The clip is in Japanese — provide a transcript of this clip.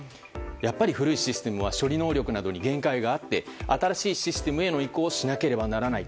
やっぱり古いシステムは処理能力などに限界があって新しいシステムへの移行をしなければならない。